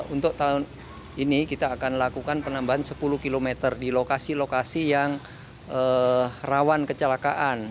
untuk tahun ini kita akan lakukan penambahan sepuluh km di lokasi lokasi yang rawan kecelakaan